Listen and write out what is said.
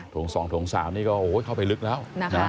ถวงสองถวงสามนี่ก็เข้าไปลึกแล้ว